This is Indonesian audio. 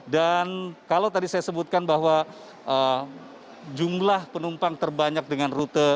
dan kalau tadi saya sebutkan bahwa jumlah penumpang terbanyak dengan rute